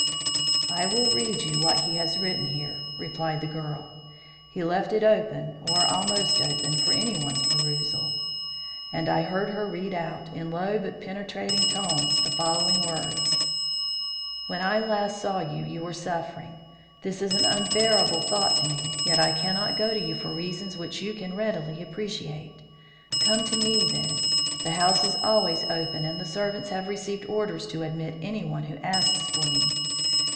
"I will read you what he has written here," replied the girl. "He left it open or almost open to anyone's perusal." And I heard her read out, in low but penetrating tones, the following words: When I last saw you, you were suffering. This is an unbearable thought to me, yet I cannot go to you for reasons which you can readily appreciate. Come to me, then. The house is always open and the servants have received orders to admit anyone who asks for me.